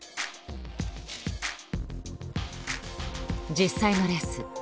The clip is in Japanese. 実際のレース。